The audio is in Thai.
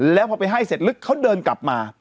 แล้วพอไปให้เสร็จลึกเขาเดินกลับมา